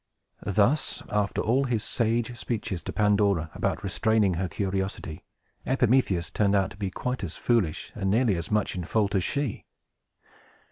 Thus, after all his sage speeches to Pandora about restraining her curiosity, Epimetheus turned out to be quite as foolish, and nearly as much in fault, as she.